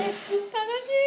楽しい！